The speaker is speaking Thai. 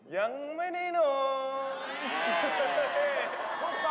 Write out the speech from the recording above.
ยังไม่ได้หน่วง